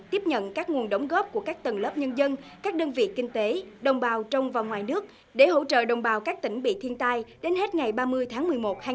tiếp nhận các nguồn đóng góp của các tầng lớp nhân dân các đơn vị kinh tế đồng bào trong và ngoài nước để hỗ trợ đồng bào các tỉnh bị thiên tai đến hết ngày ba mươi tháng một mươi một hai nghìn hai mươi